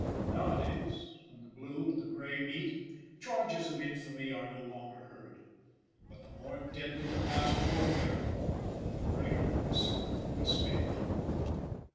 Nowadays, when the blue and the gray meet, charges of infamy are no longer heard, but the more deadly the past warfare, the greater the reciprocal respect.